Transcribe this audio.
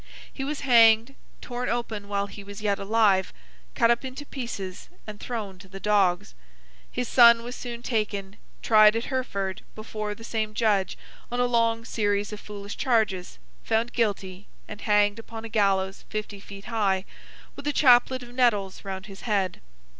He was hanged, torn open while he was yet alive, cut up into pieces, and thrown to the dogs. His son was soon taken, tried at Hereford before the same judge on a long series of foolish charges, found guilty, and hanged upon a gallows fifty feet high, with a chaplet of nettles round his head.